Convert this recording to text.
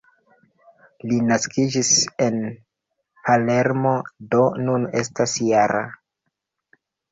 Li naskiĝis en Palermo, do nun estas -jara.